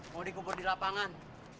mau dikubur di lapangan